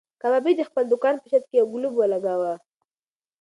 کبابي د خپل دوکان په چت کې یو ګلوب ولګاوه.